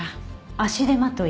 足手まとい？